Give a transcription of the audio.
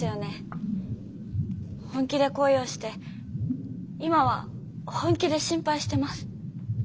本気で恋をして今は本気で心配してます。